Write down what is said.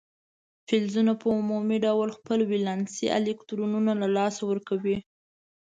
فلزونه په عمومي ډول خپل ولانسي الکترونونه له لاسه ورکوي.